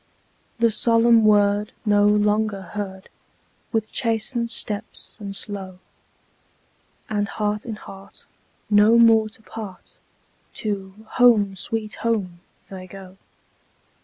The solemn word no longer heard, With chastened steps and slow, And heart in heart, no more to part, To "Home, sweet Home," they go.